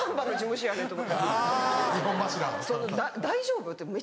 大丈夫？と。